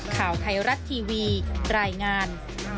ข่าวไทยรัฐทีวีรายงาน